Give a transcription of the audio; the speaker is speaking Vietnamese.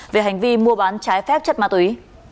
về hành vi mua bán trái phép chất ma túy